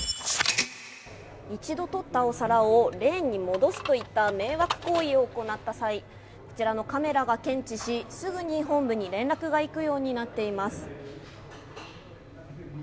一度取ったお皿をレーンに戻すといった迷惑行為を行った際、こちらのカメラが検知し、すぐに本部に連絡がいくようになっています。